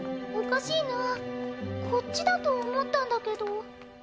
おかしいなこっちだと思ったんだけど。